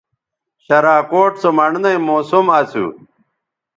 شراکوٹ سو مڑنئ موسم اسُو